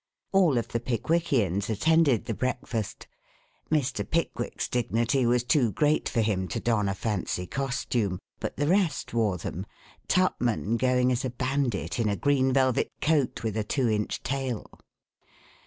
All of the Pickwickians attended the breakfast. Mr. Pickwick's dignity was too great for him to don a fancy costume, but the rest wore them, Tupman going as a bandit in a green velvet coat with a two inch tail.